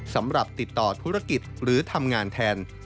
สำหรับติดต่อธุรกิจหรือทำงานแทน